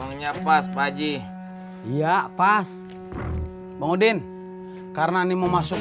uangnya pas pak haji iya pas bangudin karena nih mau masuk